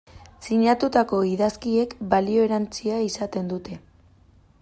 Sinatutako idazkiek balio erantsia izaten dute.